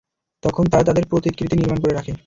তখন তারা তাদের প্রতিকৃতি নির্মাণ করে রাখে।